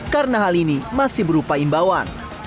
karena hal ini masih berupa imbawan